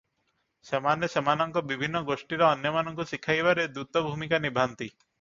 ସେମାନେ ସେମାନଙ୍କ ବିଭିନ୍ନ ଗୋଷ୍ଠୀରେ ଅନ୍ୟମାନଙ୍କୁ ଶିଖାଇବାରେ ଦୂତ ଭୂମିକା ନିଭାନ୍ତି ।